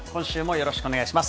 よろしくお願いします。